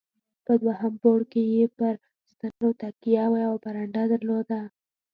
په دوهم پوړ کې یې پر ستنو تکیه، یوه برنډه درلوده.